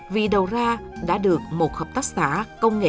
vì đầu ra đã được một hợp tác xã công nghệ